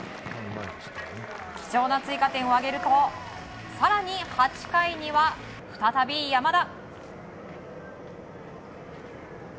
貴重な追加点を挙げると更に、８回には再び山田。